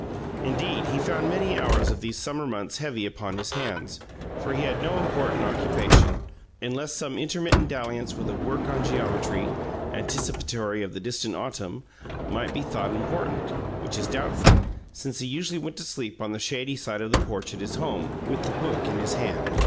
Indeed, he found many hours of these summer months heavy upon his hands, for he had no important occupation, unless some intermittent dalliance with a work on geometry (anticipatory of the distant autumn) might be thought important, which is doubtful, since he usually went to sleep on the shady side porch at his home, with the book in his hand.